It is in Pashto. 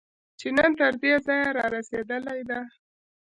چې نن تر دې ځایه رارسېدلې ده